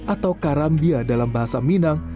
atau karambia dalam bahasa minang